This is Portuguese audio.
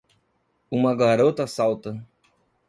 Uma garota salta.